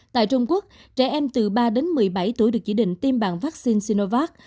tại trung quốc trẻ em từ ba đến một mươi bảy tuổi được chỉ định tiêm bằng vaccine sinovac